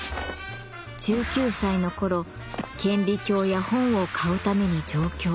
１９歳の頃顕微鏡や本を買うために上京。